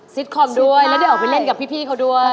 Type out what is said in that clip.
ตคอมด้วยแล้วได้ออกไปเล่นกับพี่เขาด้วย